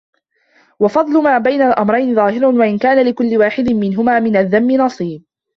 وَفَضْلُ مَا بَيْنَ الْأَمْرَيْنِ ظَاهِرٌ وَإِنْ كَانَ لِكُلِّ وَاحِدٍ مِنْهُمَا مِنْ الذَّمِّ نَصِيبٌ